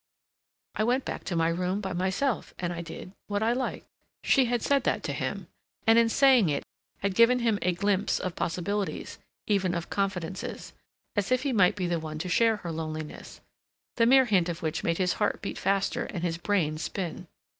"I went back to my room by myself and I did—what I liked." She had said that to him, and in saying it had given him a glimpse of possibilities, even of confidences, as if he might be the one to share her loneliness, the mere hint of which made his heart beat faster and his brain spin.